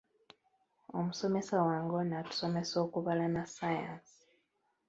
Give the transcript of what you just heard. Omusomesa wange ono atusomesa okubala na ssaayansi.